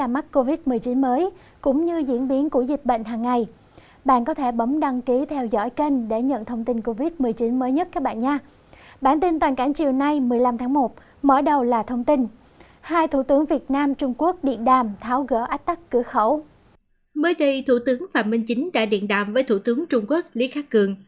mới đây thủ tướng phạm minh chính đã điện đàm với thủ tướng trung quốc lý khắc cường